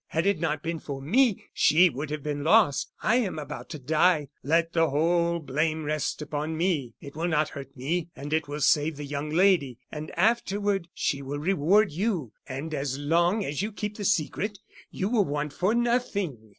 Had it not been for me she would have been lost. I am about to die; let the whole blame rest upon me; it will not hurt me, and it will save the young lady. And afterward she will reward you; and as long as you keep the secret you will want for nothing.